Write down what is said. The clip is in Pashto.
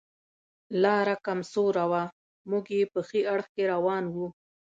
لاره کم سوره وه، موږ یې په ښي اړخ کې روان و.